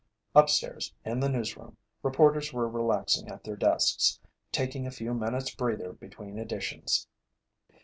Upstairs, in the newsroom, reporters were relaxing at their desks, taking a few minutes' "breather" between editions.